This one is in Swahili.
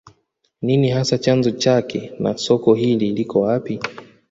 Nini hasa chanzo chake na soko hili liko wapi